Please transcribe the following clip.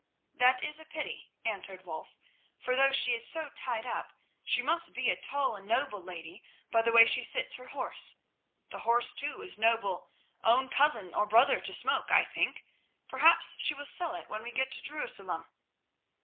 "That is a pity," answered Wulf, "for though she is so tied up, she must be a tall and noble lady by the way she sits her horse. The horse, too, is noble, own cousin or brother to Smoke, I think. Perhaps she will sell it when we get to Jerusalem."